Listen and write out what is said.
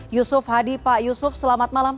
yusuf hadi pak yusuf selamat malam